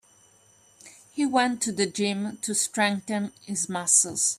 He went to gym to strengthen his muscles.